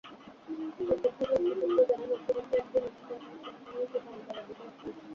প্রত্যক্ষদর্শী সূত্র জানায়, নছিমনটি একটি মিক্সচার মেশিন নিয়ে কোটালীপাড়ার দিকে আসছিল।